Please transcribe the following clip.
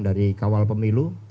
dari kawal pemilu